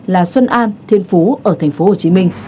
là xuân an thiên phú ở thành phố hồ chí minh